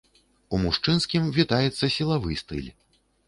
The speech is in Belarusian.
У мужчынскім вітаецца сілавы стыль.